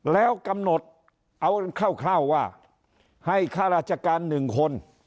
แล้วกำหนดเอาเข้าเข้าว่าให้ข้าราชการหนึ่งคน